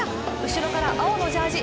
後ろから青のジャージ